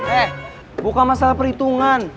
eh buka masalah perhitungan